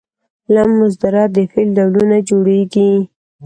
له مصدره د فعل ډولونه جوړیږي.